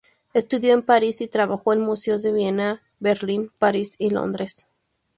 Estudió en París y trabajó en museos de Viena, Berlín, París y Londres.